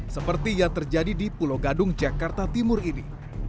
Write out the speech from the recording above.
seperti yang terjadi di pulau gadung jakarta timur ini